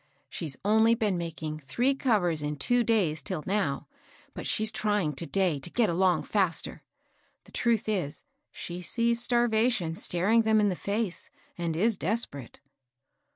She's only been making three covers in two days till now; but she's trying to day to get along faster. The truth is, she sees starvation staring them in the face and is desperate."